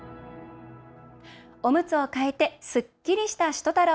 おむつを替えてすっきりしたしゅと太郎。